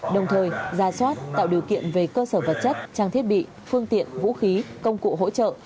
đồng thời ra soát tạo điều kiện về cơ sở vật chất trang thiết bị phương tiện vũ khí công cụ hỗ trợ